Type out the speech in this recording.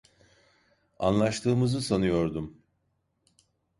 Anlaştığımızı sanıyordum.